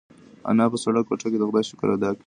انا په سړه کوټه کې د خدای شکر ادا کړ.